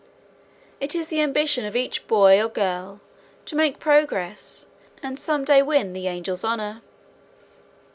It is the ambition of each boy or girl to make progress and some day win the "Angel's Honor."